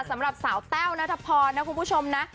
สำหรับสาวแต้วนัทพรนะคุณผู้ชมนะ